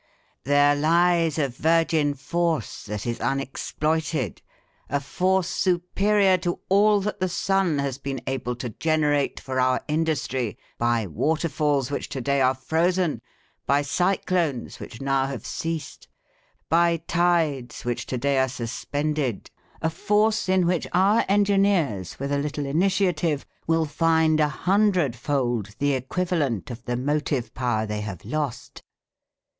There lies a virgin force that is unexploited, a force superior to all that the sun has been able to generate for our industry by waterfalls which to day are frozen, by cyclones which now have ceased, by tides which to day are suspended; a force in which our engineers, with a little initiative, will find a hundredfold the equivalent of the motive power they have lost.